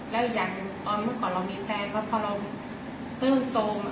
แล้วไม่ก่อนเรามีแฟนก็พอเริ่มโซม